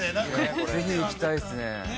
◆ぜひ行きたいですね。